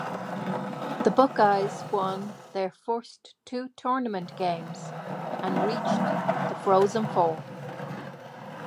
The Buckeyes won their first two tournament games and reached the Frozen Four.